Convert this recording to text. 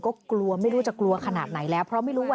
ก็กลัวครับกลัวอยู่เพราะว่ะ